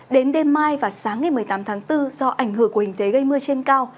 đến đêm mai và sáng ngày một mươi tám tháng bốn do ảnh hưởng của hình thế gây mưa trên cao